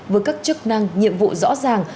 với các chức năng nhiệm vụ rõ ràng